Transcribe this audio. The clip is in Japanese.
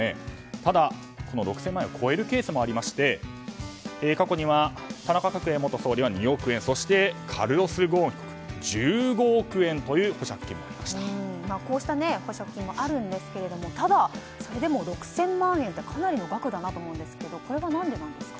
ただ、この６０００万円を超えるケースもありまして過去には田中角栄元総理は２億円そしてカルロス・ゴーンこうした保釈金もあるんですけれどただそれでも６０００万円ってかなりの額だと思うんですけどこれは何ですか？